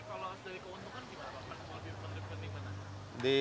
apa yang lebih berdekat ini